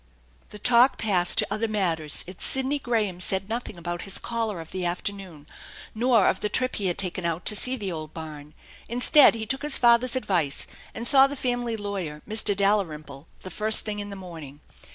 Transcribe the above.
'' The talk passed to other matters, and Sidney Graham said nothing about his caller of the afternoon, nor of the trip he had taken out to see the old barn. Instead, he took his father'^ advice, and saw the family lawyer, Mr. Dalrymple, the first thing in the morning.